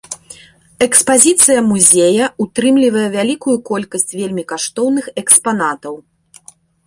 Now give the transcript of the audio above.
Экспазіцыя музея ўтрымлівае вялікую колькасць вельмі каштоўных экспанатаў.